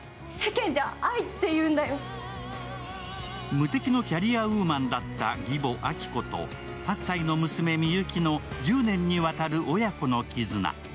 無敵のキャリアウーマンだった義母・亜希子と、８歳の娘、みゆきの１０年にわたる親子の絆。